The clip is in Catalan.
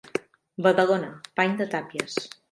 Badalona, pany de tàpies.